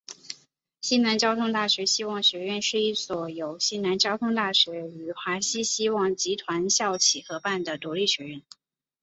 西南交通大学希望学院是一所由西南交通大学与华西希望集团校企合办的独立学院。